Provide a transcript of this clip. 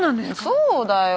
そうだよ。